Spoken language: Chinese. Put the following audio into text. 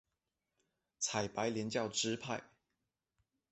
采白莲教支派。